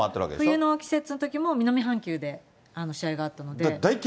冬の季節も南半球で試合があったので。